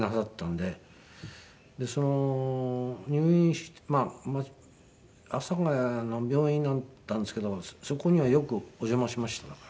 で入院阿佐ケ谷の病院だったんですけどそこにはよくお邪魔しましただから。